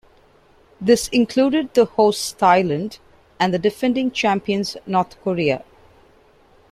This included the hosts Thailand and the defending champions North Korea.